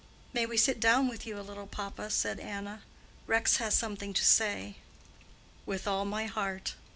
"May we sit down with you a little, papa?" said Anna. "Rex has something to say." "With all my heart."